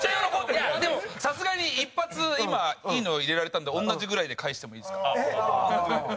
でもさすがに１発今いいのを入れられたんで同じぐらいで返してもいいですか？